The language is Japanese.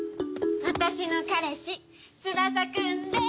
私の彼氏翼くんです！